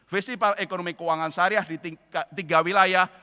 festival ekonomi keuangan syariah di tiga wilayah